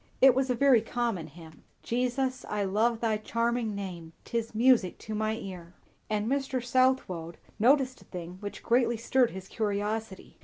It was a very common hymn, "Jesus, I love thy charming name, 'Tis music to my ear;" And Mr. Southwode noticed a thing which greatly stirred his curiosity.